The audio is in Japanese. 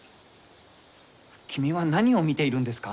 君は何を見ているんですか？